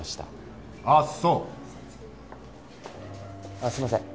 あっすいません。